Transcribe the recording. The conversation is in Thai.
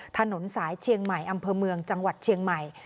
ถนนสายเชียงใหม่อำเภอเมืองจังหวัดเชียงใหม่